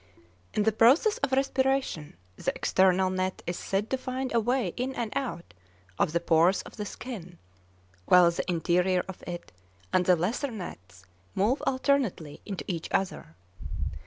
In the process of respiration the external net is said to find a way in and out of the pores of the skin: while the interior of it and the lesser nets move alternately into each other.